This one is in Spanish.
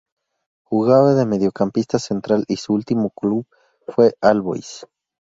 Jugaba de mediocampista central y su último club fue All Boys.